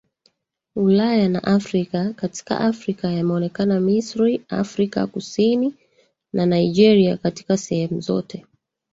Ulaya na Afrika Katika Afrika yameonekana Misri Afrika Kusini na Nigeria katika sehemu zote